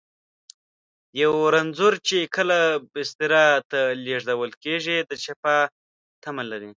یو رنځور چې کله بستر ته لېږدول کېږي، د شفا تمه لري.